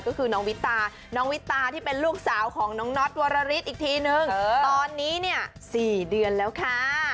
ก็คือน้องวิตาน้องวิตาที่เป็นลูกสาวของน้องน็อตวรริสอีกทีนึงตอนนี้เนี่ย๔เดือนแล้วค่ะ